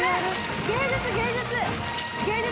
芸術芸術！